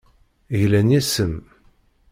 Glan yes-m.